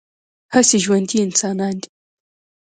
هسې ژوندي انسانان دي